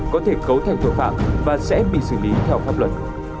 có thể cấu thành tội phạm và sẽ bị xử lý theo pháp luật